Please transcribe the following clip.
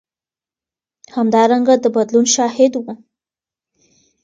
همدارنګه د بدلون شاهد و.